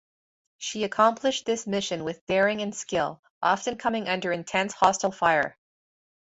She accomplished this mission with daring and skill, often coming under intense hostile fire.